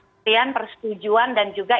pilihan persetujuan dan juga